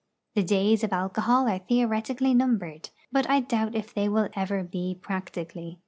The days of alcohol are theoretically numbered, but I doubt if they ever will be practically.